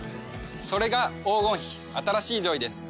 それが黄金比新しいジョイです。